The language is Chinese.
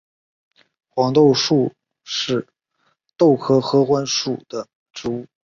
黄豆树是豆科合欢属的植物。